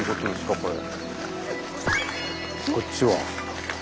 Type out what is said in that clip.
こっちは。